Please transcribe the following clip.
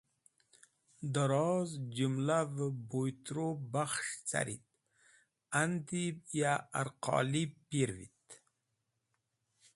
Dẽroz jũmlavẽ boy tru bakhs̃h carit andib ya arqolib pirvit.